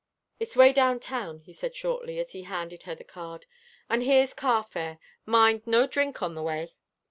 "It's 'way down town," he said shortly, as he handed her the card, "and here's car fare. Mind, no drink on the way."